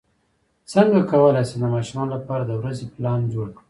څنګه کولی شم د ماشومانو لپاره د ورځې پلان جوړ کړم